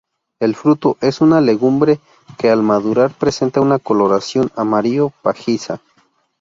El fruto es una legumbre que al madurar presenta una coloración amarillo-pajiza.